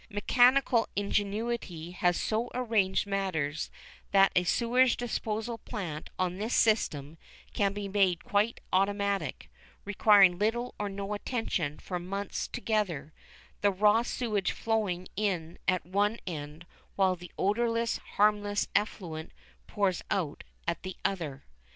Mechanical ingenuity has so arranged matters that a sewage disposal plant on this system can be made quite automatic, requiring little or no attention for months together, the raw sewage flowing in at one end, while the odourless, harmless effluent pours out at the other.